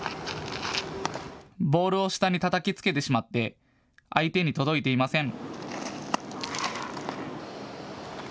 ボールを下にたたきつけてしまって相手に届いていません。